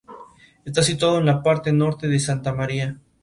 Está situado en la parte norte de Santa Maria.